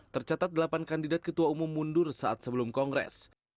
tercatat delapan kandidat ketua umum mundur saat sebelum kongres